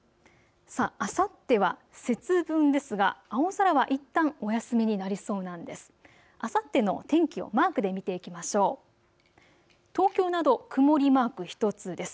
あさっては節分ですが青空はいったんお休みになりそうなんです。